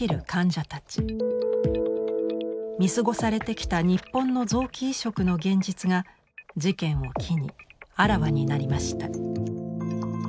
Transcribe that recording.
見過ごされてきた日本の臓器移植の現実が事件を機にあらわになりました。